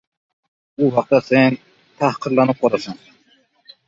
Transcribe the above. u vaqtda sen tahqirlanib qolasan.